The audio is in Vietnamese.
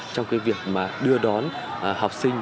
trong cái việc mà đưa đón học sinh